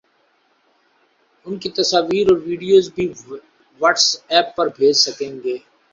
اُن کی تصاویر اور ویڈیوز بھی واٹس ایپ پر بھیج سکیں گے